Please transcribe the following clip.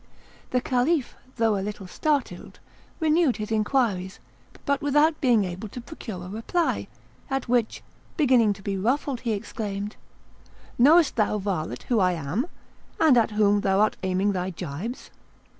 The Caliph, though a little startled, renewed his inquiries, but without being able to procure a reply; at which, beginning to be ruffled, he exclaimed: "Knowest thou, varlet, who I am? and at whom thou art aiming thy gibes?"